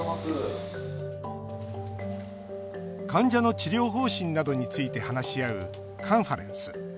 患者の治療方針などについて話し合うカンファレンス。